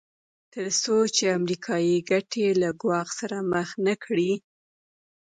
تر څو چې امریکایي ګټې له ګواښ سره مخ نه کړي.